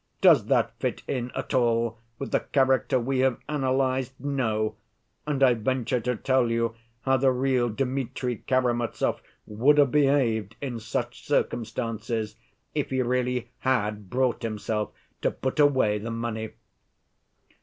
Does that fit in at all with the character we have analyzed? No, and I venture to tell you how the real Dmitri Karamazov would have behaved in such circumstances, if he really had brought himself to put away the money.